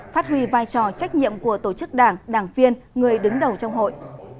phát huy vai trò trách nhiệm của tổ chức đảng đảng viên người đứng đầu trong hội